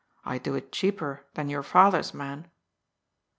I'd do it cheaper than your father's man."